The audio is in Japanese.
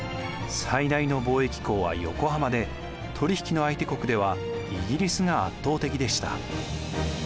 最大の貿易港は横浜で取引の相手国ではイギリスが圧倒的でした。